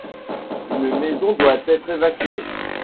Une maison doit être évacuée.